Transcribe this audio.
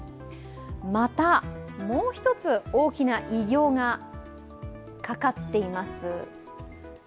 また、もう一つ大きな偉業がかかっています。